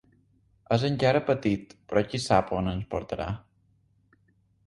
És encara petit, però qui sap on ens portarà.